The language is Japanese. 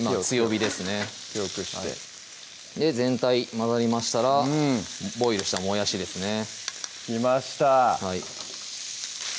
火を強くして全体混ざりましたらボイルしたもやしですね来ました